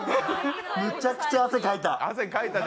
むちゃくちゃ汗かいた。